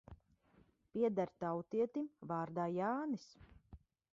Pieder tautietim vārdā Jānis.